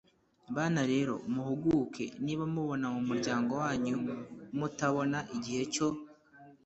bana rero muhuguke, niba mubona mu muryango wanyu mutabona igihe cyo